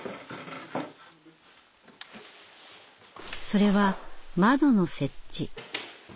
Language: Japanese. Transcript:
それは窓の設置。